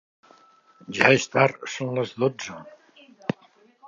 Ja és tard: són les dotze.